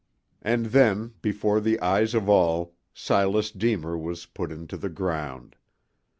And then, before the eyes of all, Silas Deemer was put into the ground.